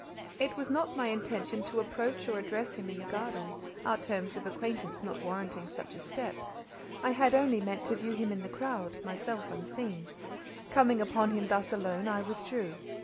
It was, not my intention to approach or address him in the garden, our terms of acquaintance not warranting such a step; I had only meant to view him in the crowd—myself unseen: coming upon him thus alone, I withdrew.